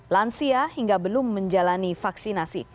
lansia hingga belum menjalani vaksinasi